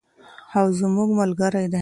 او زموږ ملګری دی.